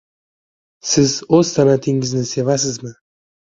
Siz o‘z san’atingizni sevasizmi?